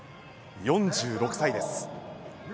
４６歳です。